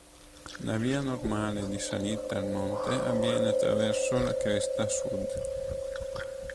La via normale di salita al monte avviene attraverso la cresta sud.